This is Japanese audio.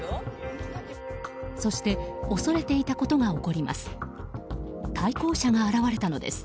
そして恐れていたことが起こります。